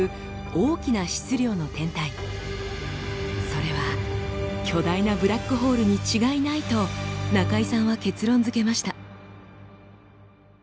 それは巨大なブラックホールに違いないと中井さんは結論づけました。